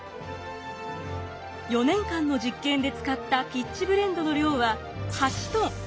４年間の実験で使ったピッチブレンドの量は８ｔ。